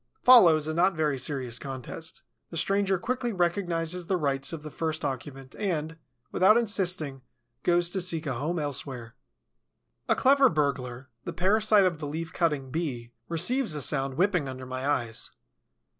Follows a not very serious contest. The stranger quickly recognizes the rights of the first occupant and, without insisting, goes to seek a home elsewhere. A clever burglar, the parasite of the Leaf cutting Bee, receives a sound whipping under my eyes.